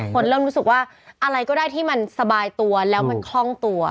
คนเริ่มรู้สึกว่าอะไรก็ได้ที่มันสบายตัวแล้วมันคล่องตัว